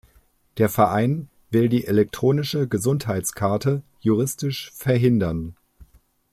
Der Verein will die elektronische Gesundheitskarte juristisch verhindern.